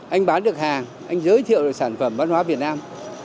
anh bán được hàng anh giới thiệu được sản phẩm văn hóa việt nam